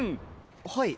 はい？